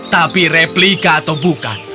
tapi replika atau bukan